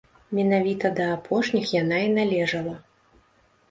Менавіта да апошніх яна і належала.